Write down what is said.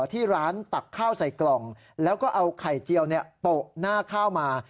ที่ร้านตักข้าวใส่กล่องแล้วก็เอาไข่เจียวโปะหน้าข้าวมา